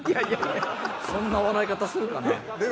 そんな笑い方するかな？